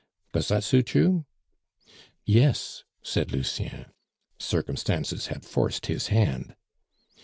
Does that suit you?" "Yes," said Lucien. Circumstances had forced his hand.